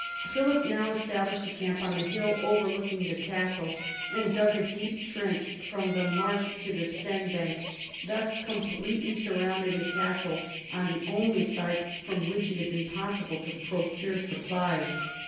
Philip now established a camp on the hill overlooking the castle, and dug a deep trench from the marsh to the Seine bank, thus com pletely surrounding the castle on the only sides from which it had been possible to procure supplies.